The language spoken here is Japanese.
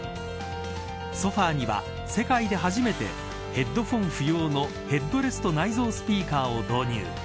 ソファには、世界で初めてヘッドホン不要のヘッドレスト内蔵スピーカーを導入。